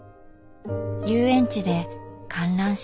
遊園地で観覧車。